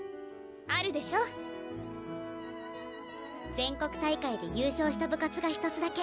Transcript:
全国大会で優勝した部活が一つだけ。